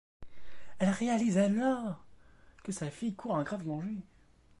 Elle réalise alors que sa fille court un grave danger.